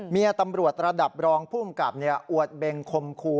เมียตำรวจระดับร้องผู้อุดเบงคมครู